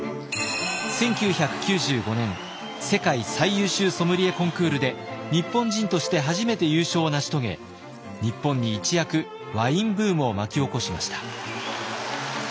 １９９５年世界最優秀ソムリエコンクールで日本人として初めて優勝を成し遂げ日本に一躍ワインブームを巻き起こしました。